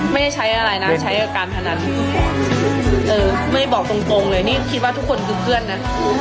ไม่ได้ใช้อะไรนะใช้กับการพนันไม่ได้บอกตรงเลยนี่คิดว่าทุกคนคือเพื่อนนะ